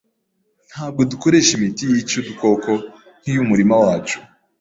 Ntabwo dukoresha imiti yica udukoko nk'iy'umurima wacu.